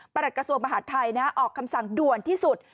หลักกระทรวงมหาดไทยออกคำสั่งด่วนที่สุด